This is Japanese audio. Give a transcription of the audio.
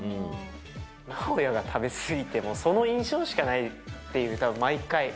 尚弥が食べ過ぎて、その印象しかないっていう、毎回。